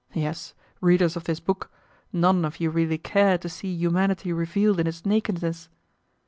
Yes, readers of this book, none of you really care to see humanity revealed in its nakedness.